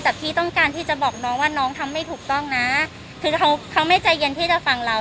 แต่พี่ต้องการที่จะบอกน้องว่าน้องทำไม่ถูกต้องนะคือเขาเขาไม่ใจเย็นที่จะฟังเรา